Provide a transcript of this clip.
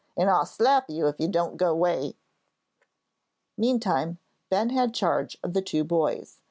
"An' I'll slap you if you don't go 'way." Meantime Ben had charge of the two boys.